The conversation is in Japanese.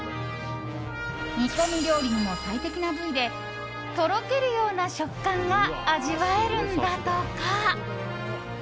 煮込み料理にも最適な部位でとろけるような食感が味わえるんだとか。